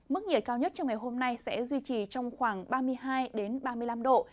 mức nhiệt cao nhất trong ngày hôm nay sẽ duy trì trong khoảng ba mươi hai ba mươi năm độ